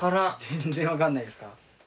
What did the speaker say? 全然分かんないですか？